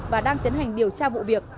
và đang tiến hành điều tra vụ việc